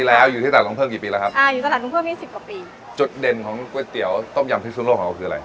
อ่าอยู่ต่างตรงเพิ่มยี่สิบกว่าปีจดเด่นของก๋วยเตี๋ยวต้มยำพริกสุนโลกของเราคืออะไร